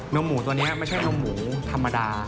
มหมูตัวนี้ไม่ใช่นมหมูธรรมดา